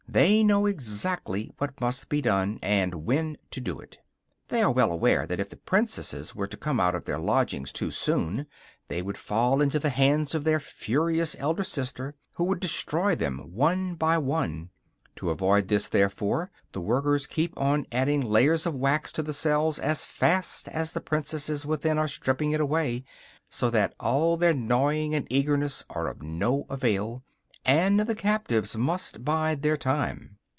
They know exactly what must be done, and when to do it. They are well aware that if the princesses were to come out of their lodging too soon, they would fall into the hands of their furious elder sister, who would destroy them one by one. To avoid this, therefore, the workers keep on adding layers of wax to the cells as fast as the princesses within are stripping it away; so that all their gnawing and eagerness are of no avail, and the captives must bide their time.